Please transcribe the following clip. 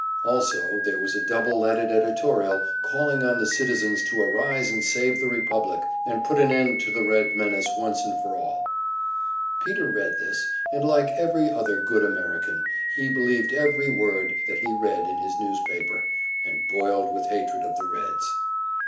Also, there was a double leaded editorial calling on the citizens to arise and save the republic, and put an end to the Red menace once for all. Peter read this, and like every other good American, he believed every word that he read in his newspaper, and boiled with hatred of the Reds.